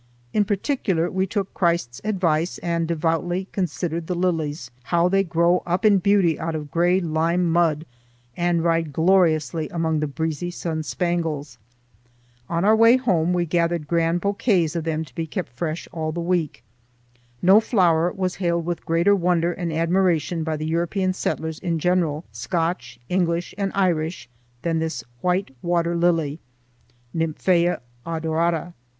In particular we took Christ's advice and devoutly "considered the lilies"—how they grow up in beauty out of gray lime mud, and ride gloriously among the breezy sun spangles. On our way home we gathered grand bouquets of them to be kept fresh all the week. No flower was hailed with greater wonder and admiration by the European settlers in general—Scotch, English, and Irish—than this white water lily (Nymphæa odorata).